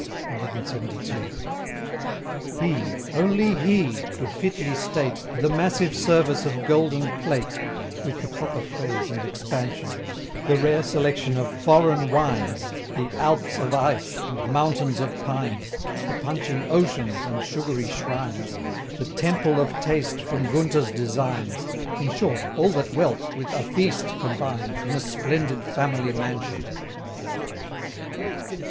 CLXXII. He only HE could fitly state THE MASSIVE SERVICE OF GOLDEN PLATE, With the proper phrase and expansion The Rare Selection of FOREIGN WINES The ALPS OF ICE and MOUNTAINS OF PINES, The punch in OCEANS and sugary shrines, The TEMPLE OF TASTE from GUNTER'S DESIGNS In short, all that WEALTH with A FEAST combines, In a SPLENDID FAMILY MANSION.